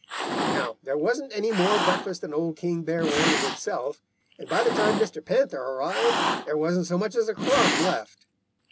"Now, there wasn't any more breakfast than Old King Bear wanted himself, and by the time Mr. Panther arrived, there wasn't so much as a crumb left.